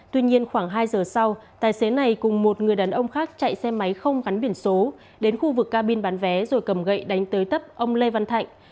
tuy nhiên khoảng hai giờ sau tài xế này cùng một người đàn ông khác chạy xe máy không gắn biển số đến khu vực cabin bán vé rồi cầm gậy đánh tới tấp ông lê văn thạnh